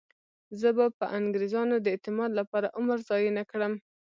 زه به پر انګریزانو د اعتماد لپاره عمر ضایع نه کړم.